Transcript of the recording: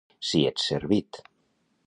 Si ets servit.